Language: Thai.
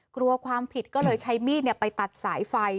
กลัวความผิดก็เลยใช้มีดไปตัดสายไฟ